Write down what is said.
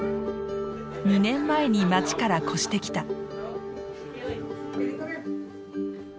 ２年前に町から越してきた。